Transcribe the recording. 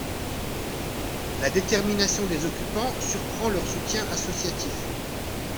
La détermination des occupants surprend leurs soutiens associatifs.